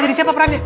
jadi siapa perannya